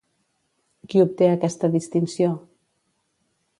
Qui obté aquesta distinció?